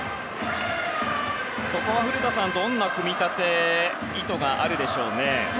ここは古田さん、どんな組み立て意図があるでしょうね。